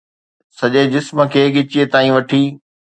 سڄي جسم کي ڳچيء تائين وٺي